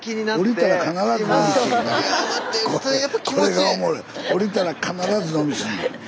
降りたら必ず伸びすんねや。